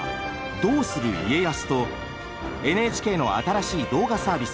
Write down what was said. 「どうする家康」とＮＨＫの新しい動画サービス